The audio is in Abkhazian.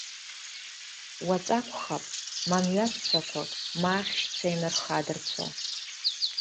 Уаҵәы акәхап, ма мҩасцәақәак, ма ахьшьцәа ианырхадырцәо.